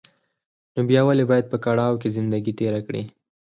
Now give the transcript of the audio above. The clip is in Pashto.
نو بيا ولې بايد په کړاوو کې زندګي تېره کړې.